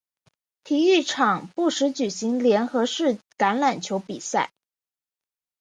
体育场不时举行联合式橄榄球比赛。